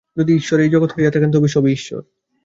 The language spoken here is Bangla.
যদি ঈশ্বর এই জগৎ হইয়া থাকেন, তবে সবই ঈশ্বর।